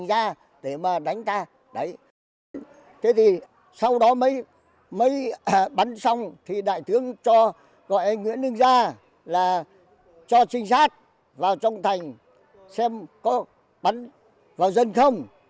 gọi anh nguyễn đức gia là cho sinh sát vào trong thành xem có bắn vào dân không